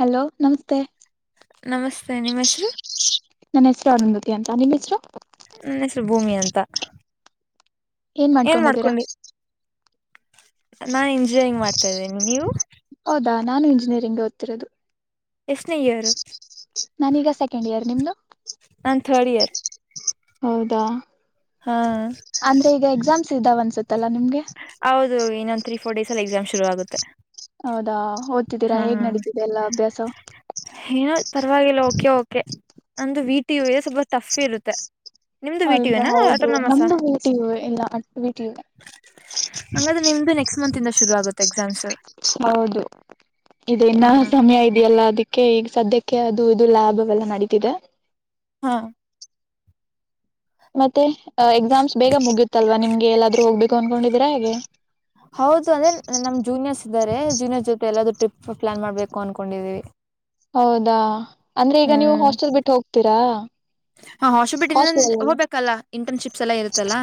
Hello ನಮಸ್ತೆ. ನಮಸ್ತೆ ನಿಮ್ಮ ಹೆಸರು. ನನ್ನ ಹೆಸರು ಅರುಂದತಿ ಅಂತ ನಿಮ್ಮ ಹೆಸರು. ನನ್ನ ಹೆಸರು ಭೂಮಿ ಅಂತ. ಏನ್ ಮಾಡ್ಕೊಂಡಿ ನಾನ್ ಎಂಜಯಿಂಗ್ ಮಾಡ್ತಾ ಇದ್ದೀನಿ ನೀವು. ಹೌದಾ ನಾನು ಇಂಜಿನಿಯರಿಂಗ್ ಓದ್ತಿರೋದು. ಎಷ್ಟನೇ ಇಯರ್ ನಾನೀಗ ಸೆಕೆಂಡ್ ಇಯರ್ ನಿಮ್ದು. ನಾನ್ ಥರ್ಡ್ ಇಯರ್. ಹೌದಾ ಹಾ ಅಂದ್ರೆ ಈಗ ಎಕ್ಸಾಮ್ಸ್ ಇದ್ದಾವ ಅನ್ಸತ್ತಲ್ಲಾ ನಿಮ್ಗೆ. ಹೌದು ಇನ್ನೊಂದ್ ತ್ರೀ ಫೋರ್ ಡೇಸ್ ಅಲ್ಲಿ ಎಕ್ಸಾಮ್ ಶುರು ಆಗುತ್ತೆ. ಹೌದಾ ಓದ್ತಿದ್ದೀರಾ ಹಾ ಹೇಗ್ ನಡೀತಿದೆ ಎಲ್ಲಾ ಅಭ್ಯಾಸ. ಏನೋ ಪರವಾಗಿಲ್ಲ ಓಕೆ ಓಕೆ ನಂದುು ವೀಟ ಇ ಇ ಸ್ವಲ್ಪ ಟಫ್ ಇರುತ್ತೆ. ನಿಮ್ದು ವಿ ಟಿ ಯು ಅಲ್ವಾ ನಾ ಹೌದು ಆಟೋನಮಸಾ ನಮ್ದ ವೀಟ ಇ ಇಲ್ಲ ಅಷ್ಟ ವೀಟ ಇ ಹಂಗ್ರ ನಿಮ್ದು ನೆಕ್ಸ್ಟ್ ಮಂತ್ ಇಂದ ಶುರು ಆಗುತ್ತೆ ಎಕ್ಸಾಮ್ಸ್. ಹೌದು. ಇ ಇನ್ನ ಸಮಯ ಇದೆಯಲ್ಲ ಅದಕ್ಕೆ ಈಗ ಸದ್ಯಕ್ಕೆ ಅದು ಇದು ಲ್ಯಾಬ್ ಅವವೆಲ್ಲ ನಡೀತಿದೆ. ಹಾ. ಮತ್ತೆ ಎಕ್ಸಾಮ್ಸ್ ಬೇಗ ಮುಗಿಯುತ್ತಲ್ವಾ ನಿಮ್ಗೆ ಎಲ್ಲಾದ್ ಹೋಗ್ಬೇಕು ಅನ್ಕೊಂಡಿದೀರಾ ಹೇಗೆ. ಹೌದು ಅಂದ್ರೆ ನಮ್ ಜೂನಿಯರ್ಸ್ ಇದಾರೆ ಜೂನಿಯರ್ಸ್ ಜೊತೆ ಎಲ್ಲಾದೂ ಟಿಪ್ ಪ್ಲಾನ್ ಮಾಡ್ಬೇಕು ಅನ್ಕೊಂಡಿದೀವಿ. ಹೌದಾ ಅಂದ್ರೆ ಈಗ ನೀವು ಹಾಸ್ಟೆಲ್ ಬಿಟ್ಟು ಹೋಗ್ತೀರಾ. ಹಾ ಹೊಷ ಬಿಟ್ಟಿಂದ ಹಾಸ್ಟೆಲ್ ಹೋಗ್ಲ್ಲಾ ಇಂಟರ್ನ್ಶಿಪ್ಸ್ ಎಲ್ಲಾ ಇರುತ್ತಲ್ಲಾ.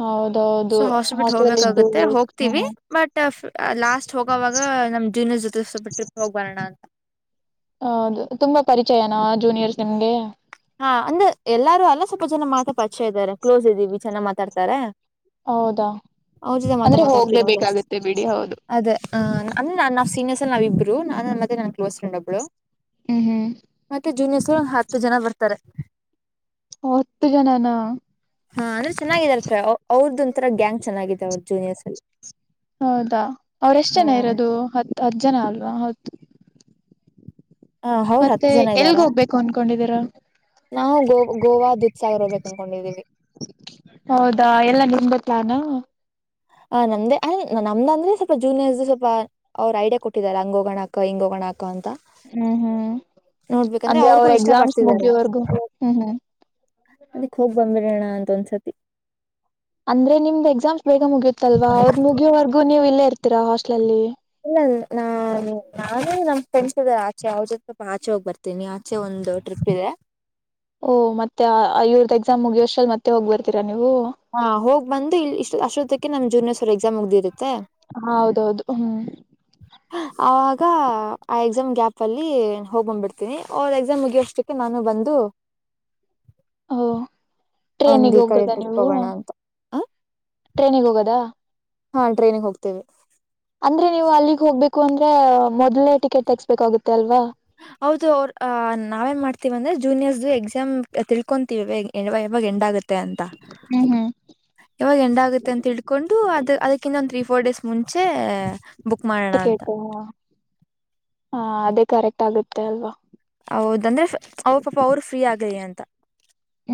ಹೌದೌದು ಸೊ ಹಾಸ್ಪಿಟ್ ಹಾಸ್ಟೆಲ್ ಇದ್ದು ಹೋಗ್ಬೇಕಾಗುತ್ತೆ ವೇಸ್ಟ್ ಹೋಗ್ತೀವಿ ಬಟ್ ಲಾಸ್ಟ್ ಹೋಗವಾಗ ನಮ್ ಜೀನರ್ ಜೊತೆ ಸ್ವಲ್ಪ ಟ್ರಿಪ್ ಹೋಗ್ ಬರೋಣ ಅ ಹೌದು ತುಂಬಾ ಪರಿಚಯನ ಜೂನಿಯರ್ಸ್ ನಿಮ್ಗೆ ಹಾ ಅಂದ್ರ ಎಲ್ಲಾರೂ ಅಲ್ಲ ಸ್ವಲ್ಪ ಜನ ಮಾತ ಪಚೆ ಇದ್ದಾರೆ ಕ್ಲೋಸ್ ಇದೀವಿ ಚನಾಗ ಮಾತಾಡ್ತಾರೆ. ಹೌದಾ. ಹ ಜದ ಮಾತ ಅಂದ್ರೆ ಮಾತಾಡ್ತರ ಜಾಸ್ ಹೋಗ್ಲೇಬೇಕಾಗತ್ತೆ ಬಿಡಿ ಹೌದು ಅದ ಅಂದ ನಾವ್ ಸೀನಿಯರ್ ಸ ನಾವಬ್ರು ನ ಮತ್ತ ನ ಕ್ಲೋಸ್ ಫ್ರೆಂಡ್ ಒಬ್ಬಳು. ಹ್ಮ್ ಹ್ಮ್. ಜೂನಿಯರ್ಸ್ ಗೋಳ ಹತ್ತ ಜನ ಬರ್ತಾರೆ. ಹೊತ್ತ ಜನಾನ ಹಾ ಅಂದ್ರೆ ಚೆನ್ನಗಿದರ ಅವ್ರದ್ದ ಒಂತರ ಗ್ಯಾಂಗ್ ಚೆನ್ನಾಗಿದೆ ಅವ್ರ ಜೂನಿಯರ್ಸ್. ಹೌದಾ, ಅವ್ರ ಎಷ್ಟ್ ಜನ! ಇರೋದು, ಹತ್ತು, ಹತ್ತು, ಜನ, ಅಲ್ವಾ ಹೌದು. [inaudible] ಹ, ಅವ್ರ ಹತ್ತು ಮತ್ತೆ ಜನ ಎಲ್ಗ್ ಇದ್ದಾರೆ! ಹೋಗ್ಬೇಕು ಅನ್ಕೊಂಡಿದೀರಾ ನಾವು, ಗೋ ಗೋವಾ, ದೀಕ್ಷ ಇರದು? [inaudible] ತೊಂಡಿದ್ದೀವಿ? [inaudible] ಹೌದಾ, ಎಲ್ಲ, ನಿಮ್ದೇ, ಪ್ಲಾನಾ.. [inaudible] ಆ, ನಮ್ಧೇ, ನಮ್ದ ಅಂದ್ರೆ! ಸ್ವಲ್ಪ ಜೂನಿಯರ್ಸ್, ಸ್ವಲ್ಪ, ಅವರು ಐಡಿಯಾ ಕೊಟ್ಟಿದ್ದಾರೆ. ಹಂಗ ಹೋಗೋಣಕ, ಹಿಂಗೆ ಹೋಗೋಣಾಕ? [inaudible] ಹ್ಮ್, ಹ್ಮ್. [inaudible] ನೋಡ್ಬೇಕಂದ್ರೆ ಅಂದ್ರೆ, ಅವ್ರಿಗೂ ಅವ್ರ, ಇಷ್ಟ ಎಕ್ಸಾಮ್ಸ್ ಮುಗಿಯವರ್ಗೂ, ಹ್ಮ್. [inaudible] ಅದಿಕ್, ಹೋಗ್, ಬಾನಿ, ಅಂತ ಒಂದ್ಸತಿ? [inaudible] ಅಂದ್ರೆ, ನಿಮ್ದ್ ಎಕ್ಸಾಮ್ಸ್! ಬೇಗ ಮುಗಿಯುತ್ತಲ್ವಾ, ಅವ್ರ್ ಮುಗಿಯೋವರೆಗೂ ನೀವ್, ಇಲ್ಲೇ ಇರ್ತೀರಾ, ಹಾಸ್ಟ್ಲ ಅಲ್ಲಿ? [inaudible] ಇಲ್ಲ, ಇಲ್ಲಾ, ನ, ನಾನು, ನಮ್, ಫ್ರೆಂಡ್ಸ್ ಅದ ಆಚೆ, ಅವ್ರ, ಜೊತೆ, ಸ್ವಲ್ಪ, ಆಚೆ, ಹೋಗ್ ಬರ್ತೀನಿ! ಆಚೆ, ಒಂದು. [inaudible] ಎಲ್ಲಿ, ಟ್ರಿಪ್ಗ? [inaudible] ಓ, ಮತ್ತೆ ಇವ್ರದ್ದ ಎಕ್ಸಾಮ್! ಮುಗಿಯವರಷ್ಟರಲ್ಲಿ, ಮತ್ತೆ, ಹೋಗ್ ಬರ್ತೀರಲ್ಲ? [inaudible] ಹಾ, ಹೋಗ್ ಬಂದು! ಇ, ಇಷ್ಟ ಅಷ್ಟೊತ್ತಕ್ಕೆ ನಮ, ಜೂನಿಯರ್ ಸರ್? ಎಕ್ಸಾಮ್ ಮುಗ್ದಿರುತ್ತೆ. [inaudible] ಹ, ಹೌದೌದು! ಹ್ಮ್. [inaudible] ಆಗ, ಆ ಎಕ್ಸಾಮ್ ಗ್ಯಾಪ್ ಅಲ್ಲಿ! ಹೋಗ್ ಬಂದ್ಬಿಡ್ತೀನಿ, ಅವಗ, ಎಕ್ಸಾಮ್ ಮುಗಿಯೋಷ್ಟಕ್ಕೆ, ನಾನು? [inaudible] ಹ, ಬಂದು. [inaudible] ಹ ಓ, ಒಂದ್ ಟ್ರೈನಿಗೆ ಈ ಕಡೆ ಹೋಗದ ಟ್ರಿಪ್ ನೀವು? [inaudible] ಹೋಗೋಣ ಅಂತ ಹ ಟ್ರೈನಿಗೆ ಹೋಗೋದ. ಹಾ, ಟ್ರೈನಿಗೆ, ಹೋಗ್ತೇವೆ? [inaudible] ಅಂದ್ರೆ, ನೀವು ಅಲ್ಲಿಗ್ ಹೋಗ್ಬೇಕು! ಅಂದ್ರೆ ಮೊದ್ಲೇ, ಟಿಕೆಟ್, ಹಾಕಿಸಬೇಕು, ಅಲ್ವಾ. [inaudible] ಹೌದು, ಅವ್ರ, ಅ ನಾವೇನ್ ಮಾಡ್ತೀವಿ! ಅಂದ್ರೆ ಜೂನಿಯರ್, ಎಕ್ಸಾಮ್, ತಿಳ್ಕೊಂತೀವಿ? [inaudible] ಇವಾಗ, ಎಂಡಾಗುತ್ತೆ ಅಂತ? ಹ್ಮ್ ಹ್ಮ್ [inaudible] ಯವಾಗ, ಎಂಡ್, ಆಗುತ್ತೆ ಅಂತ ತಿಳ್ಕೊಂಡು! ಅದ, ಅದಕ್ಕಿಂತ, ಒಂದ್, ತ್ರೀ, ಫೋರ್, ಡೇಸ್ ಮುಂಚೆ? [inaudible] ಬುಕ್ ಮಾಡೋಣ ಅಂತ ಟಿಕೆಟ್, ಹಾ! ಅದೇ ಕರೆಕ್ಟ್ ಆಗುತ್ತೆ ಅಲ್ವಾ? [inaudible] ಹೌದಂದ್ರೆ! ಅವರು, ಪಾಪ, ಅವರು, ಫ್ರೀ, ಆಗಲೀ, ಅಂತ. [inaudible]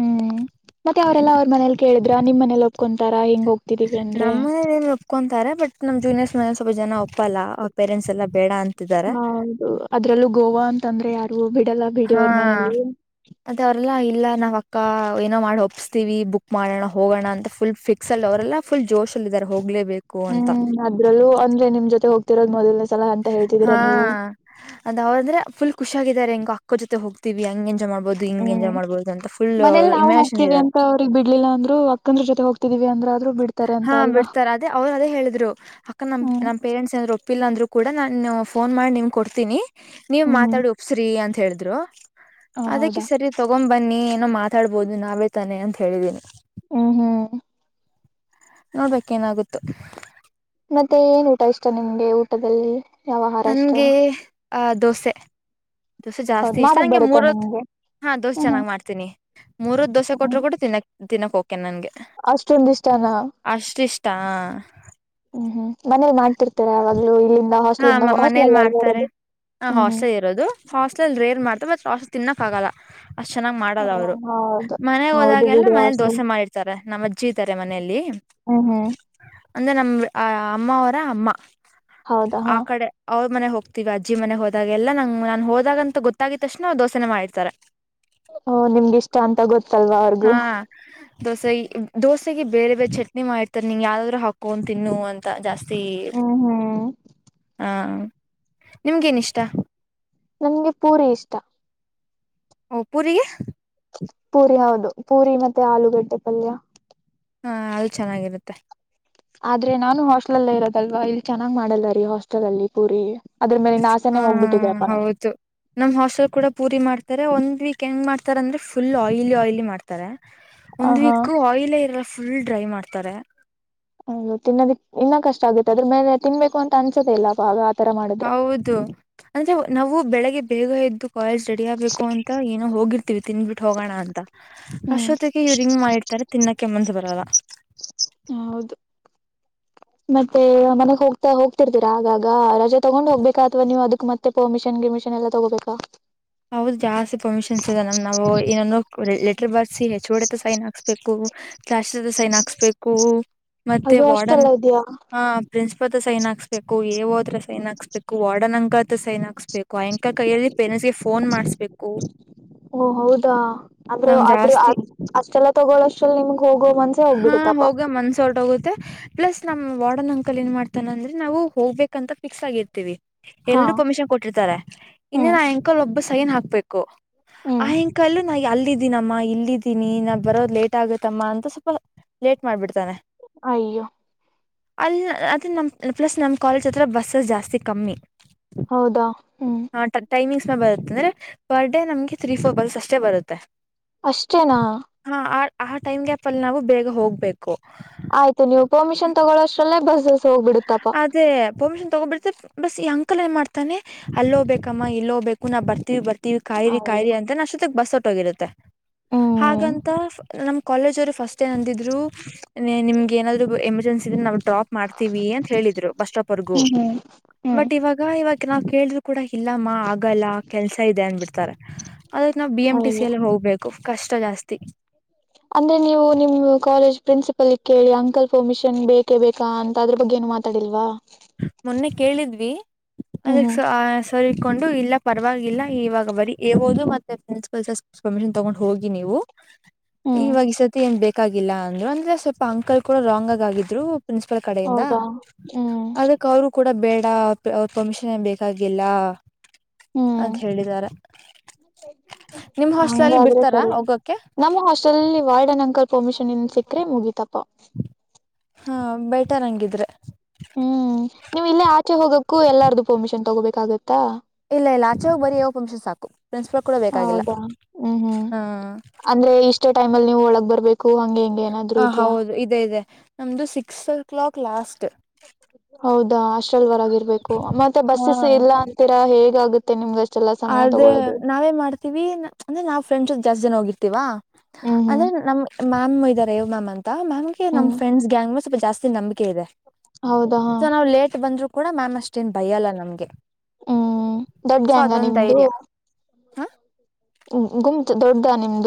ಹ್ಮ್, ಮತ್ತೆ ಅವರೆಲ್ಲ ಅವ್ರ! ಮನೇಲಿ ಕೇಳಿದ್ರ ನಿಮ್ಮ ಮನೇಲಿ ಒಪ್ಕೊಂತಾರಾ! ಹೆಂಗ ಹೋಗ್? [inaudible] ಕುಂತಿತ್ತು, ಅಂದ್ರೆ? [inaudible] ನಮ್, ಜೂನಿಯರ್ಸ್! ಮೇಲೆ ಸ್ವಲ್ಪ ಜನ ಒಪ್ಪಲ್ಲ ಅವ ಪೇರೆಂಟ್ಸ್, ಎಲ್ಲಾ ಬೇಡ ಅಂತಿದ್ದಾರೆ? [inaudible] ಹೌದು ಅದ್ರಲ್ಲೂ, ಗೋವಾ, ಅಂತಾಂದ್ರೆ? [inaudible] ಹಾ, ಅದು, ಅಲ್ಲಾ? [inaudible] ಇಲ್ಲ ನಾವ್ ಅಕ್ಕ! ಏನೋ ಮಾಡಿ ಒಪ್ಪಸ್ತೀವಿ, ಬುಕ್, ಮಾಡೋಣ ಹೋಗೋಣ, ಅಂತ! ಫುಲ್ ಫಿಕ್ಸ್, ಅಲ್ಲಿ, ಅವರೆಲ್ಲ ಫುಲ್ ಜೋಸು? [inaudible] ಅನ್ಕೊಂಡಿದರೆ, ಹೋಗಲೆ. [inaudible] ಹ್ಮ್, ಅದ್ರಲ್ಲೂ ಅಂದ್ರೆ! ನಿಮ್ ಜೊತೆ ಹೋಗ್ತಿರೋದು, ಮೊದಲನೇ ಸರಿ. [inaudible] ಹಾ, ಅದ ಅವ್ರಂದ್ರೆ ಫುಲ್! ಖುಷಿ, ಆಗಿದ್ದಾರೆ ಹೆಂಗ, ಅಕ್ಕೋ ಜೊತೆ ಹೋಗ್ತೀವಿ ಹಂಗೆ? [inaudible] ಎಂಜಾಯ್ ಮಾಡಬಹುದು, ಹಿಂಗು ಹ್ಮ್ ಎಂಜಾಯ್, ಮಾಡ್ಬೋದು, ಅಂತ ಫುಲ್ ಮನೇಲಿ ಅವರು ನಾವು ಇಮ್ಯಾಜಿನೇಶನ್ ಹೋಗ್ತೀವಿ ನಲ್ಲಿದ್ದಾರೆ. [inaudible] ಅಂತ ಅವ್ರಿಗೆ ಬಿಡ್ಲಿಲ್ಲ ಅಂದ್ರು ಅಕ್ಕಂದ್ರ ಜೊತೆ ಹೋಗ್ತಿದೀವಿ ಅಂದ್ರ ಆದ್ರು ಬಿಡ್ತಾರೆ ಅಂತ ಹಾ, ಅಲ್ವಾ ಬಿಡ್ತಾರೆ! ಅದೇ, ಅವ್ರು, ಅದೇ, ಹೇಳಿದ್ರು. ಅಕ್ಕ, ನಮ್, ಹ್ಮ್ ನಮ್, ಪೇರೆಂಟ್ಸ್ ಏನಾದರೂ? [inaudible] ಒಪ್ಪಿಲ್ಲ, ಅಂದ್ರು ಕೂಡ! ನಾನ್ ಫೋನ್ ಮಾಡಿ, ನಿನ್ಗೆ, ಕೊಡ್ತೀನಿ. ನೀವ್ ಹ್ಮ್ ಹ್ಮ್ ಮಾತಾಡಿ ಒಪ್ಸ್ರಿ ಅಂತ ಹೇಳಿದ್ರು? ಹ [inaudible] ಅದಕ್ಕೆ, ಹೌದಾ ಸರಿ ತಗೊ, ಬನ್ನಿ ಏನೋ ಮಾತಾಡ್ಬೋದು? ನಾವೇ ತಾನೆ ಅಂತ ಹೇಳಿದೀನಿ. [inaudible] ಹ್ಮ್, ಹ್ಮ್. [inaudible] ನೋಡ್ಬೇಕ್, ಏನಾಗುತೊ? [inaudible] ಮತ್ತೆ, ಏನ್ ಊಟ ಇಷ್ಟ! ನಿಮ್ಗೆ ಊಟದಲ್ಲಿ ಯಾವ ಆಹಾರ ಇಷ್ಟ? [inaudible] ಹಾ, ದೋಸೆ. [inaudible] ದೋಸೆ, ಹೌದ್ ಜಾಸ್ತಿ ಇಷ್ಟ! ಮಾಡಕ್ ನಂಗೆ, ಬರುತ್ತಾ ಮೂರತ್, ನಿಮ್ಗೆ ಹಾ ದೋಸೆ, ಹ್ಮ್ ಹ್ಮ್ ಚೆನ್ನಾಗ್, ಮಾಡ್ತೀನಿ! [inaudible] ಮೂರೆ, ದೋಸೆ ಹ್ಮ್ ಕೊಟ್ರು! ಕೂಡ ತಿನಾಕೆ, ದಿನಕ್ಕೆ... [inaudible] ನನ್ಗೆ, ಅಷ್ಟೊಂದ ಇಷ್ಟನಾ ಅಷ್ಟು, ಇಷ್ಟ. [inaudible] ಹ್ಮ್ ಹ್ಮ್ ಮನೇಲಿ, ಮಾಡ್ತಾರೆ, ತಗೋ, ಅಲ್ಲಿ, ಇಲ್ಲಿ. [inaudible] ಹಾ, ಮನೇಲಿ ಮಾಡ್ತಾರೆ! ಹ, ಹ್ಮ್ ಹ್ಮ್ ಹಾಸ್ಟೆಲ್ ಇರೋದು. ಹಾಸ್ಟೆಲ್ ರೇರ್ ಮಾಡ್ತ, ಮತ್ತ. [inaudible] ದೋಸೆ ತಿನ್ನಕ್ಕಾಗಲ್ಲ! [inaudible] ಅಷ್ಟ್, ಚೆನ್ನಾಗಿ ಹ ಮಾಡಲ್ಲ ಅವರು, ಹೌದು ಮನೆ ಹೌದು ಹೋದಾಗೆಲ್ಲ ಬಿಡಿ ಮನೇಲಿ ಹಾಸ್ಟೆಲ್ ದೋಸೆ, ಮಾಡಿರುತ್ತಾರೆ, ನಮ್ಮ, ಅಜ್ಜಿ ಇರುತ್ತಾರೆ, ಮನೆಯಲ್ಲಿ? [inaudible] ಹ್ಮ, ಹ್ಮ್. [inaudible] ಅಂದ್ರೆ ನಮ್ ಅಮ್ಮ ಅವರ ಅಮ್ಮ ಹೌದಾ ಆ ಹಾ ಕಡೆ ಅವರು ಅ ಮನೆ ಹೋಗ್ತೀವಿ ಅಜ್ಜಿ ಮನೆ ಹೋದಾಗ ಎಲ್ಲ ನಂಗ್ ನಾನ್ ಹೋದಾಗ ಅಂತ ಗೊತ್ತಿದ ತಕ್ಷಣ ದೋಸೆನೆ ಮಾಡಿರ್ತಾರೆ ಹ ನಿಮ್ಗ ಇಷ್ಟ ಅಂತ ಗೊತ್ತ ಹಾ ದೋಸೆ ದೋಸೆಗೆ ಬೇರೆ ಬೇರೆ ಚಟ್ನಿ ಮಾಡಿರ್ತಾರೆ ನಿನಗೆ ಯಾವ್ದಾದ್ರು ಹಾಕೋ ತಿನ್ನು ಅಂತ ಜಾಸ್ತಿ ಹ್ಮ್ ಹ್ಮ್ ಹ ನಿಮಗೆ ಏನ್ ಇಷ್ಟ ನನ್ಗೆ ಪೂರಿ ಇಷ್ಟ ಪೂರಿಗೆ ಪೂರಿ ಹೌದು ಪೂರಿ ಮತ್ತೆ ಆಲೂಗಡ್ಡೆ ಪಲ್ಯ ಹಾ ಅದು ಚೆನ್ನಾಗಿರುತ್ತೆ ಆದ್ರೆ ನಾನು ಹಾಸ್ಟೆಲ್ಲ್ಲ ಇರೋದಲ್ವಾ ಇಲ್ಲಿ ಚೆನ್ನಾಗ್ ಮಾಡಲ್ಲರೀ ಹಾಸ್ಟೆಲ್ ಅಲ್ಲಿ ಪೂರಿ ಅದ್ರ ಮೇಲಿನ ಆಸೆನೆ ಹಾ ಹೋಗ್ಬಿಟ್ಟಿದೆ ಅಪ್ಪಾ ನಂಗೆ ಹೌದು ನಮ್ ಹಾಸ್ಟೆಲ್ ಕೂಡ ಪೂರಿ ಮಾಡ್ ಒಂದ್ ವೀಕ್ ಹೆಂಗ ಮಾಡ್ತಾರ ಅಂದ್ರೆ ಫುಲ್ ಆಯಿಲಿ ಆಯ್ಲಿ ಮಾಡ್ತಾರೆ ಆ ಒಂದ್ ಹಾ ವೀಕ್ ಆಯಿಲ ಇರಲ್ಲ ಫುಲ್ ಡ್ರೈ ಮಾಡ್ತಾರೆ ಹೌದು ತಿನ್ನೋದಿಕ್ ಇನ್ನ ಕಷ್ಟ ಆಗುತ್ತೆ ಅದ್ರ ಮೇಲೆ ತಿನ್ಬೇಕು ಅಂತ ಅನ್ಸದೆೆ ಇಲ್ಲ ಆತರ ಮಾಡಿದ್ರೆ ಹೌದು ಅಂದ್ರೆ ನಾವು ಬೆಳಗ್ಗೆ ಬೇಗ ಎದ್ದು ಕಾಲೇಜ್ ರೆಡಿ ಆಗ್ಬೇಕು ಅಂತ ಏನೋ ಹೋಗಿರ್ತೀವಿ ತತಿಂದುಬಿಟ್ಟು ಹೋಗೋಣ ಅಂತ ಹ್ಮ್ ಅಷ್ಟೊತ್ತಗೆ ಇವ್ರು ಇಂಗ್ ಮಾಡಿ ತಿನ್ನಕ್ಕೆ ಮನ್ಸು ಬರಲ್ಲ ಹೌದು [inaudible] ಮತ್ತೆ ಮನೆಗ್ ಹೋಗ್ತಾ ಹೋಗ್ತಿರ್ತೀರಾ ಆಗಾಗ ರಜೆ ತೊಗೊಂಡ್ ಹೋಗ್ಬೇಕಾ ಅಥವಾ ನೀವು ಅದಕ್ ಮತ್ತೆ ಪರ್ಮಿಷನ್ ಗಿಮಿ ಷ ಎಲ್ಲ ತಗೋಬೇಕಾ ಹೌದು ಜಾಸ್ತಿ ಪರ್ಮಿಷನ್ಸ್ ಇದೆ ನಮ್ ಏನು ಲೆಟರ್ ಬರ್ದು ಎಚ್ ಓ ಡಿ ಹತ್ತಿರ ಸೈನ್ ಹಾಕ್ಸ್ಬೇಕು ಕ್ಲಾಸ್ಸ್ ಟೀಚರ್ ಹತ್ತಿರ ಸೈನ್ ಹಾಕಿಸಬೇಕು ಮತ್ತೆ ಅಯ್ಯೋ ವಾರ್ಡನ್ ಅಷ್ಟೆಲ್ಲ ಇದ್ಯಾ ಹ ಪ್ರಿನ್ಸ್ ಸೈನ್ ಹಾಕ್ಸ್ಬೇಕು ಏ ಹೋ ಹತ್ರ ಸೈನ್ ಹಾಕ್ಸ್ಬೇಕು ವಾರ್ಡನ್ ಅಂಕ ಹತ್ರ ಸೈನ್ ಹಾಕ್ಸ್ಬೇಕು ಅ ಅಂಕಲ್ ಕೈಯ ಪೆನ್ ಫೋನ್ ಮಾಡಿಸ್ಬೇಕು ಓ ಹೌದಾ ಅಂದ್ರೆ ಆದ್ರ ಅ ಜಾಸ್ತಿ ಅಷ್ಟೆಲ್ಲ ತಗೋಳಷ್ಟಲ್ಲ ನಿಮ್ಗೆ ಹೋಗೋ ಮನ್ಸೆ ಹೋಗ್ಬಿಡುತ್ತೆ ಹೋಗೊ ಮನ್ಸ ಹೊರಟುಹೋಗುತ್ತೆ ಪ್ಲಸ್ ನಮ್ಮ್ ವಾರ್ಡನ್ ಅಂಕಲ್ ಏನ್ ಮಾಡ್ತಾನ ಅಂದ್ರೆ ನಾವು ಹೋಗ್ಬೇಕಂತ ಫಿಕ್ಸ್ ಆಗಿರ್ತೀವಿ ಹಾ ಎಲ್ರೂ ಪರ್ಮಿಷನ್ ಕೊಟ್ಟಿರ್ತಾರೆ ಹ್ಮ್ ಇನ್ನೇನು ಆ ಅಂಕಲ್ ಒಬ್ಬ ಸೈನ್ ಹಾಕ್ಬೇಕು ಹ್ಮ್ ಆ ಅಂಕಲ್ ನಾ ಅಲ್ಲಿದ್ದೀನಮ್ಮ ಇಲ್ಲಿದ್ದೀನಿ ನಾ ಬರೋದ್ ಲೇಟ್ ಆಗುತ್ತಮ್ಮ ಅಂತ ಸ್ವಲ್ಪ ಲೇಟ್ ಮಾಡ್ಬಿಡ್ತಾನೆ ಅಯ್ಯೋ ಅಲ್ಲಿ ಅದ ನಮ್ಮ ಪ್ಲಸ್ ನಮ್ಮ ಕಾಲೇಜ್ ಹತ್ರ ಬಸ್ಸಸ್ ಜಾಸ್ತಿ ಕಮ್ಮಿ ಹೌದಾ ಹ್ಮ್ ಹಾ ಟೈಮಿಂಗ್ಸ್ ಬರುತ್ತೆ ಅಂದ್ರೆ ಪರ್ ಡೇ ನಮ್ಗೆ ತ್ರೀ ಫೋರ್ ಬಸ್ ಅಷ್ಟೇ ಬರುತ್ತೆ ಅಷ್ಟೇನಾ ಹಾ ಆ ಆ ಟೈಮ್ ಗ್ಯಾಪ್ ಅಲ್ಲಿ ನಾವು ಬೇಗ ಹೋಗ್ಬೇಕು ಆಯ್ತು ನೀವು ಪರ್ಮಿಷನ್ ತಗೊಳೋ ಅಷ್ಟ್ರಲ್ಲೇ ಬಸ್ ಅದೇ ಪರ್ಮಿಷನ್ ತಗೋಬಿಡ್ತೆ ಬಸ್ ಈ ಅಂಕಲ್ ಏನ್ ಮಾಡ್ತಾನೆ ಅಲ್ಲೋ ಹೋಗ ಬೇಕಮ್ಮ ಇಲ್ಲಿ ಹೋಗಬೇಕಮ್ಮ ನಾ ಬರ್ತೀವಿ ಕಾಯಿರಿ ಅಯ್ಯೋ ಕಾಯರಿ ಅಂತ ಅಷ್ಟೊತ್ತ ಬಸ್ ಹೊಟ್ಟೋಗಿರುತ್ತೆ ಹ್ಮ್ ಹಾಗಂತ ನಮ್ಮ ಕಾಲೇಜ್ವ್ರು ಫಸ್ಟ್ ಏ ಅಂದಿದ್ರು ನಿಮ್ಗೆ ಏನಾದ್ರು ಎಮರ್ಜೆನ್ಸಿ ಇದ್ರೆ ನಾವು ಡ್ರಾಪ್ ಮಾಡ್ತೀವಿ ಹೇಳಿದ್ರು ಬಸ್ ಸ್ಟಾಪ್ ವರೆಗೂ ಹ್ಮ್ ಹ್ಮ್ ಬಟ್ ಇವಾಗ ಇವಾಗ ನಾವ್ ಕೇಳಿದ್ರು ಕೂಡ ಇಲ್ಲಮ್ಮ ಆಗಲ್ಲ ಕೆಲ್ಸ ಇದೆ ಅನ್ಬಿಡ್ತಾರೆ ಅದ ನಾವು ಬಿ ಎಂ ಟಿ ಸಿ ಅಯ್ಯೋ ಎಲ್ಲಿ ಹೋಗ್ಬೇಕು ಕಷ್ಟ ಜಾಸ್ತಿ ಅಂದ್ರೆ ನೀವು ನಿಮ ಕಾಲೇಜ್ ಪ್ರಿನ್ಸಿಪಲ್ ಕೇಳಿ ಅಂಕಲ್ ಫರ್ಮಿಷನ್ ಬೇಕೇ ಬೇಕಾ ಅಂತ ಅದ್ರ ಬಗ್ಗೆ ಏನು ಮಾತಾಡಿಲ್ವಾ ಮೊನ್ನೆ ಕೇಳಿದ್ವಿ ಹ್ಮ್ ಅದಕ್ ಹ್ಮ್ ಆ ಸಕೊಂಡು ಇಲ್ಲ ಪರವಾಗಿಲ್ಲ ಇವಾಗ ಬರೀ ಹಬೋದು ಮತ್ತೆ ಪ್ರಿನ್ಸಿಪಲ್ ಸರ್ ಪರ್ಮಿಷನ್ ತಗೊಂಡು ಹೋಗಿ ನೀವು ಹ್ಮ್ ಇವಾಗ ಸತಿ ಏನ್ ಬೇಕಾಗಿಲ್ಲ ಅಂದ್ರು ಅಂದ್ರೆ ಸ್ವಲ್ಪ ಅಂಕಲ್ ಕೂಡ ರಾಂಗ್ ಆಗ ಆಗಿದ್ರು ಪ್ರಿನ್ಸಿಪಲ್ ಕಡಿಂದ ಹೌದಾ ಹ್ಮ್ ಅದ ಅವ ಕೂಡ ಬೇಡ ಅವ ಪರ್ಮಿಷನ್ ಏನ್ ಬೇಕಾಗಿಲ್ಲ ಹ್ಮ್ ಅಂತ ಹೇಳಿದಿದ್ದಾರೆ ಹಂಗಾದ್ರೆ ಬಿಡ್ತಾರಾ ಸರಿ ಹೋಗಕ್ಕೆ ನಮ್ಮ ಹಾಸ್ಟೆಲ್ ವಾರ್ಡನ್ ಅಂಕಲ್ ಪರ್ಮಿಷನ್ ಇನ್ ಸಿಕ್ಕ್ರೆ ಮುಗಿತಪ್ಪ ಹಾ ಬೇಟರ್ ಹಂಗಿದ್ರೆ ಹ್ಮ್ ನೀವು್ ಇಲ್ಲೇ ಆಚೆ ಹೋಗಕ್ಕು ಎಲ್ಲಾರ್ದು ಪರ್ಮಿಷನ್ ತಗೋಬೇಕಾಗತ್ತೆ ಇಲ್ಲ ಇಲ್ಲ ಆಚೆ ಹೋಗ್ ಬರೀ ಯಾವೋ ಪಫಮಿಕ್ಷನ್ ಸಾಕು ಪ್ರಿನ್ಸಿಪಾ ಕೂಡ ಬೇಕಾಗಿಲ್ಲ ಹೌದಾ ಹಾ ಅಷ್ಟೇ ಟೈಮ್ ಅಲ್ಲಿ ನೀವು ಒಳಗ್ ಬರ್ಬೇಕು ಹಂಗೆ ಹಿಂಗೆ ಏನಾದ್ರು ಇದೆಯಾ ಹೌದು ಇದೆ ಇದೆ ನಮ್ದು ಸಿಕ್ಸ್ ಓ ಕ್ಲಾಕ್ ಲಾಸ್ಟ್ ಹೌದಾ ಅಷ್ಟಲ್ವರಗರ್ಬೇಕು ಮತ್ತೆ ಹಾ ಬಸ್ಸಸ್ ಇಲ್ಲ ಅಂತೀರಾ ಹೇಗಗುತ್ತೆ ನಿಮ್ಗಷ್ಟ ಆದ್ರೆ ನಾವೇನ್ ಮಾಡ್ತೀವಿ ಅಂದ್ರೆ ನಾವ್ ಫ್ರೆಂಡ್ಸ್ ಜಾಸ್ತಿ ಜನ ಹೋಗಿರ್ತಿೀವಾ ಹ್ಮ್ ಹ್ಮ್ ಅಂದ್ರೆ ನಮ್ ಮ್ಯಾಮ್ ಇದಾರೆ ಯ್ ಮ್ಯಾಮ್ ಅಂತ ಮ್ಯಾಮ್ಗೆ ನಮ್ ಹ್ಮ್ ಫ್ರೆಂಡ್ಸ್ ಗ್ಯಾಂಗ್ ಮ ಸ್ವಲ್ಪ ಜಾಸ್ತಿ ನಂಬಿಕೆ ಇದೆ ಹೌದಾ ಹಾ ಸೊ ನಾವು ಲೇಟ್ ಬಂದ್ರು ಕೂಡ ಮ್ಯಾಮ್ ಅಷ್ಟೇನ್ ಭಯ ಅಲ್ಲ ನಮ್ಗೆ ದೊಡ್ಡ್ಯಾಂಗ ನಿಮ್ದು ಹಾ ಗುಂತ್ ದೊಡ್ಡ ನಿಮ್ದ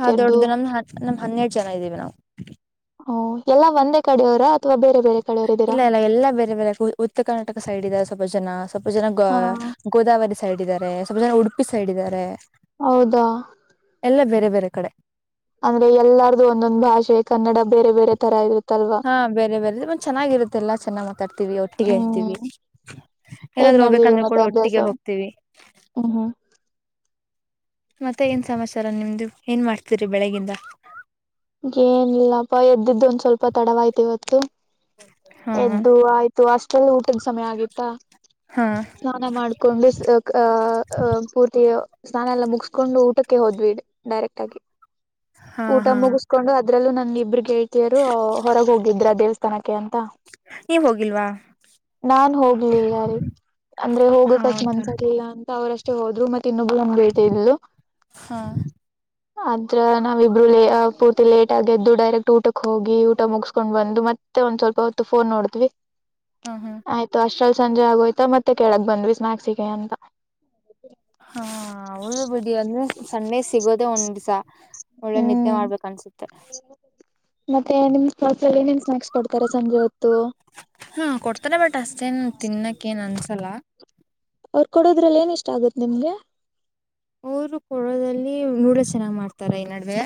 ಹಾ ದೊಡ್ಡದು ನಮ್ದ ನಮ್ ಹನ್ನೆರಡು ಜನ ಇದ್ದೀವಿ ನಾವು ಎಲ್ಲ ಒಂದೇ ಕಡೆಯವರ ಅಥವಾ ಬೇರೆ ಬೇರೆ ಕಡೆಯವರ ಇಲ್ಲ ಇಲ್ಲ ಎಲ್ಲಾ ಬೇರೆ ಬೇರೆ ಯ ಉತ್ತರ ಕರ್ನಾಟಕ ಸೈಡ್ ಇದಾರೆ ಸ್ವಪೋ ಜನ ಸೊಪ ಜನ ಹಾ ಗೋದಾವರಿ ಸೈಡ್ ಇದ್ದಾರೆ ಸ್ವಲ್ಪ ಜನ ಉಡುಪಿ ಸೈಡ್ ಇದ್ದಾರೆ ಹೌದಾ ಎಲ್ಲ ಬೇರೆ ಬೇರೆ ಕಡೆ ಅಂದ್ರೆ ಎಲ್ಲಾರ್ದು ಒಂದೊಂದ್ ಭಾಷೆ ಕನ್ನಡ ಬೇರೆ ಬೇರೆ ತರ ಇರುತ್ತೆ ಹಾ ಬೇ ಬೇರೆ ಮತ್ತ ಚೆನ್ನಾಗಿ ಇರುತ್ತಲ್ಲ ಚೆನ್ನಾಗಿ ಮಾತಾಡ್ತಾರೆ ಒಟ್ಟಿಗೆ ಇರ್ತವಿ ಹ್ಮ್ ಹೇಗ್ ಏನಾದ್ೂ ನಡೆದಿದೆ ಹೋಗ್ಬೇಕಂದ್ರೆ ಕೂಡ ಒಟ್ಟಿಗೆ ಹೋಗ್ತೀವಿ ಹ್ಮ ಮತ್ತೆ ಏನ್ ಸಮಾಚಾರ ನಿಮ್ದು ಏನ್ ಮಾಡ್ತೀರಿ ಬೆಳಿಗಿಂದ ಏನಿಲ್ಲಪ್ಪ ಎದ್ದಿದ್ದು ಒಂದ ಸ್ವಲ್ಪ ತಡವಾಯ್ತು ಇವತ್ತು ಹಾ ಎದ್ದು ಆಯ್ತು ಅಷ್ಟೆಲ್ಲ ಊಟದ ಸಮಯ ಆಗಿತ್ತಾ ಹಾ ಸ್ನಾನ ಮಾಡ್ಕೊಂಡು ಅಹ ಪೂರ್ತಿಯ ಸ್ನಾನ ಎಲ್ಲ ಮುಗಿಸಕೊಂಡು ಊಟಕ್ಕೆ ಹೋದ್ವಿ ಡೈರೆಕ್ಟ್ ಆಗಿ ಹಾ ಊಟ ಹಾ ಮುಗಿಸ್ಕೊಂಡು ಅದ್ರಲ್ಲೂ ನನ್ ಇಬ್ಬ್ರ ೇಳ್ತಿಯರು ಹೊರಗೆ ಹೋಗಿದ್ರ ದೇವಸ್ಥಾನಕ್ಕೆ ಅಂತ ನೀವ್ ಹೋಗಿಲ್ವಾ ನಾನ್ ಹೋಗ್ಲಿಲ್ಲಾರಿೀ ಅಂದ್ರೆ ಹೋಗಕಚ್ ಹೌದಾ ಮನ್ಸರ್ಲ್ಲ ಅಂತ ಅವ್ರಷ್ಟ ಅಷ್ಟೇ ಹೋದ್ರು ಮತ್ತೆ ಇನ್ನೊಬ್ಬರು ನಂದ ಬೇಳ್ತಿದಲು ಹಾ ಆದ್ರ ನಾವಿಬರುಳ್ಳ ಪರ್ತಿ ಲೇಟ್ ಆಗದ್ದು ಡೈರೆಕ್ಟ್ ಊಟಕ್ ಹೋಗಿ ಊಟ ಮುಗಿಸಸ್ಕೊಂಡ್ ಬಂದು ಮತ್ತೆ ಒಂದ್ ಸ್ವಲ್ಪ ಹೊತ್ತು ಫೋನ್ ನೋಡ್ತೀವಿ ಹಾ ಹಾ ಆಯ್ತು ಅಷ್ಟ್ರಲ್ಲಿ ಸಂಜೆ ಆಗೋಯ್ತಾ ಮತ್ತೆ ಕೆಳಕ್ ಬಂದ್ರಿ ಸ್ಮ್ಯಾಕ್ಸಿಗೆ ಅಂತ ಂದ್ರ ಸಣ್ಣೆ ಸಿಗೋದೆೇ ಒಂದ್್ಸ ಒಳ್ಳೆ ನಿದ್ದೆ ಹ್ಮ್ ಮಾಡ್ಬೇಕ ಅನ್ಸುತ್ತೆ ಮತ್ತೆ ನಿಮ್ ಸ್ಪಾಟ್ಲ್ಲಿ ನಿನ್ ಸ್ನಾಾಕ್ಸ್ ಕೊಡ್ತಾರೆ ಸಂಜೆ ಹೊತ್ತು ಮತ್ತೇನ್ ತಿನ್ನಕ್ಕ ಏನ್ ಅನ್ಸಲ್ಲ ಅವ್ರ ಕೊಡೋದ್ರಲ್ಲಿ ಏನ ಇಷ್ಟ ಆಗುತ್ತೆ ನಿಮ್ಗೆ ಅವರು ಕೊಡೋದಲ್ಲಿ ನೂಡಲ್ಸ್ ಚೆನ್ನ ಮಾಡ್ತಾರ ಈ ನಡುವೆ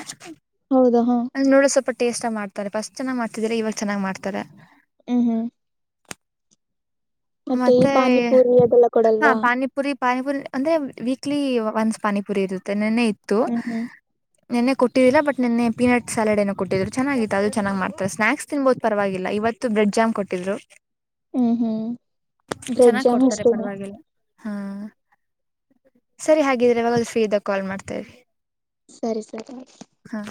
ಹೌದಾ ಹಾ ನೂಡಲ್ಸ್ ಸ್ವಲ್ಪ ಟೇಸ್ಟ್ ಮಾಡ್ತಾರೆ ಫಸ್ಟ್ ಚನಾಗ ಮಾಡ್ತಿದ್ರೆ ಇವಾಗ ಚೆನ್ನಾಗಿ ಮಾಡ್ತಾರೆ ಹ್ಮ್ ಹ್ಮ್ ಈ ಮತ್ತೆ ಪಾನಿಪೂರಿ ಅದೆಲ್ಲ ಹಾ ಕೊಡಲ್ವಾ. ಪಾನಿಪುರಿ ಪಾನಿಪುರಿ ಅಂದ್ರೆ ವೀಕ್ಲಿ ಒನ್ಸ್ ಪಾನಿಪುರಿ ಇರುತ್ತೆ ನೆನ್ನೆ ಇ ತ್ತು ಹ್ಮ್ ಹ್ಮ್ ನೆನ್ನೆ ಕೊಟ್ಟಿದೀರ ಬಟ್ ನೆನ್ನೆ ಪೀನಟ್ ಸಾಲೆಡ್ ಏನೋ ಕೊಟ್ಟಿದ್ರು ಚೆನ್ನಾಗಿತ್ತು ಅದು ಚೆನ್ನಾಗ್ ಮಾಡ್ತಾರೆ ಸ್ನಾಕ್ಸ್ ತಿನ್ಬಹದು ಪರವಾಗಿಲ್ಲ ಇವತ್ತು ಬ್ರೆಡ್ ಜಾಮ್ ಕೊಟ್ಟಿದ್ರು. ಹ್ಮ್ ಹ್ಮ್ ಬ್ರೆಡ್ ಚೆನ್ನಾಗ್ ಜಾಮ್ ಕೊಡ್ತಾರೆ ಅಷ್ಟೆನಾ. ಪರವಾಗಿಲ್ಲ ಹಾ ಸರಿ ಹಾಗಿದ್ರೆ ಯಾವಾಗದ್ರೂ ಫ್ರೀ ಇದ್ದಾಗ ಕಾಲ್ ಮಾಡ್ತಾ ಇರಿ. ಸರಿ ಸರಿ. ಹಾ